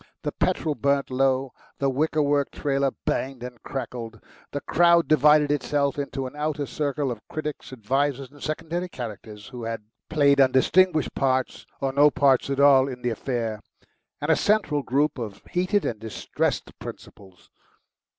The petrol burnt low, the wicker work trailer banged and crackled. The crowd divided itself into an outer circle of critics, advisers, and secondary characters, who had played undistinguished parts or no parts at all in the affair, and a central group of heated and distressed principals.